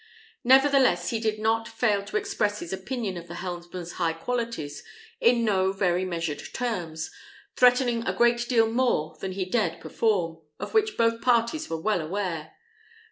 Nevertheless, he did not fail to express his opinion of the helmsman's high qualities in no very measured terms, threatening a great deal more than he dared perform, of which both parties were well aware.